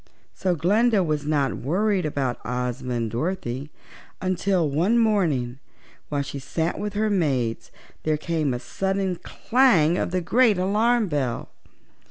So Glinda was not worried about Ozma and Dorothy until one morning, while she sat with her maids, there came a sudden clang of the great alarm bell.